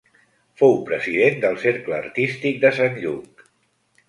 Fou president del Cercle Artístic de Sant Lluc.